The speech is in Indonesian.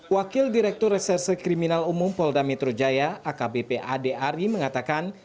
wakil direktur reserse kriminal umum polda metro jaya akbp ade ari mengatakan